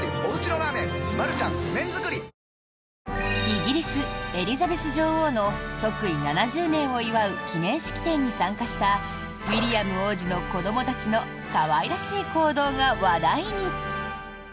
イギリス、エリザベス女王の即位７０年を祝う記念式典に参加したウィリアム王子の子どもたちの可愛らしい行動が話題に。